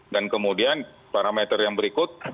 dan kemudian parameter yang berikut